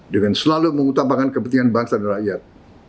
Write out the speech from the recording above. dengan selalu mengutamakan kepentingan bangsa dan rakyat